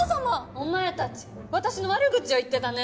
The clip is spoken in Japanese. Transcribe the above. お前たち私の悪口を言ってたね。